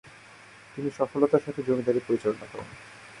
তিনি সফলতার সাথে জমিদারি পরিচালনা করেন।